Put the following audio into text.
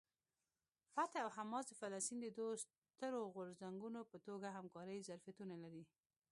فتح او حماس د فلسطین د دوو سترو غورځنګونو په توګه همکارۍ ظرفیتونه لري.